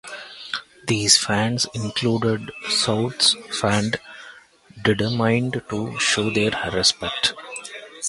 These fans included Souths fans determined to show their respect.